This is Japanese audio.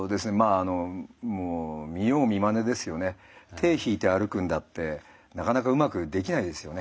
手引いて歩くんだってなかなかうまくできないですよね。